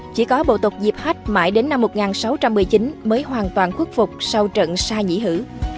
chỉ có bộ tộc diệp hách mãi đến năm một nghìn sáu trăm một mươi chín mới hoàn toàn khuất phục sau trận sa nhĩ hữ